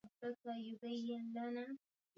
kupunguza dalili za mfaidhaiko au hisia zisizohitajika